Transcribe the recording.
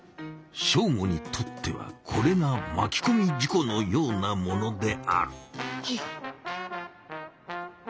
ショーゴにとってはこれがまきこみ事故のようなものである。